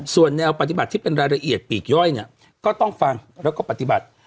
ส่วนแนวปฏิบัติที่เป็นรายละเอียดปีกย่อยเนี่ยก็ต้องฟังแล้วก็ปฏิบัติ